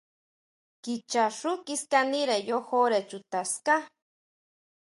Kichaxú kiskanire yojore chuta ská.